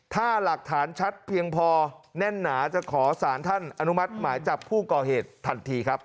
ถ้าหลักฐานชัดเพียงพอแน่นหนาจะขอสารท่านอนุมัติหมายจับผู้ก่อเหตุทันทีครับ